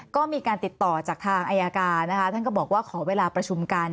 ก็มีการติดต่อจากทางอายการนะคะท่านก็บอกว่าขอเวลาประชุมกัน